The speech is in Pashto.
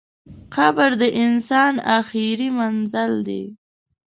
قبر د انسان اخري منزل دئ.